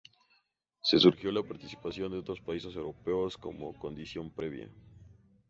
Se sugirió la participación de otros países europeos como condición previa.